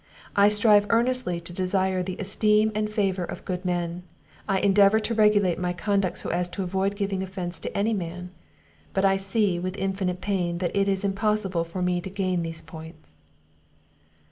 I strive earnestly to deserve the esteem and favour of good men; I endeavour to regulate my conduct so as to avoid giving offence to any man; but I see, with infinite pain, that it is impossible for me to gain these points."